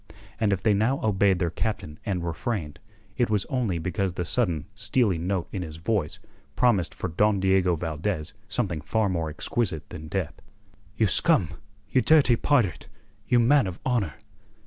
And if they now obeyed their Captain and refrained, it was only because the sudden steely note in his voice promised for Don Diego Valdez something far more exquisite than death. "You scum! You dirty pirate! You man of honour!"